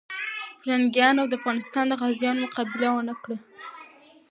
پرنګیان د افغان غازیانو مقابله ونه کړه.